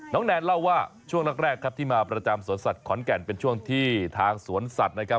แนนเล่าว่าช่วงแรกครับที่มาประจำสวนสัตว์ขอนแก่นเป็นช่วงที่ทางสวนสัตว์นะครับ